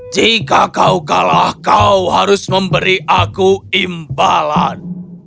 jika kau kalah kau harus memberi aku imbalan